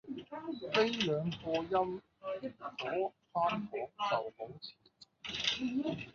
呢兩個音如果單講就好似